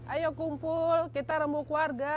ayo kumpul kita remuk warga